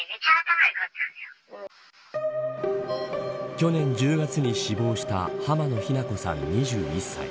去年１０月に死亡した濱野日菜子さん、２１歳。